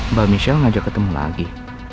mbak michelle ngajak ketemu lagi